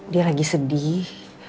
dia lagi sedih